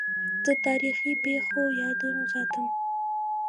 زه د تاریخي پیښو یادونې ساتم.